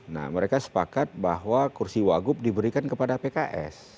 nah mereka sepakat bahwa kursi wagub diberikan kepada pks